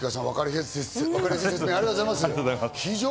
内川さん、わかりやすい説明をありがとうございます。